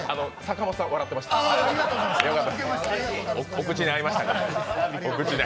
お口に合いました。